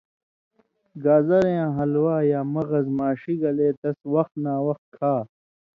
گازریاں حلوا یا مغز ماݜی گلے تس وخ نا وخ کھا